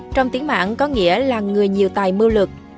trong tiếng mạng có nghĩa là người nhiều tài mưu lược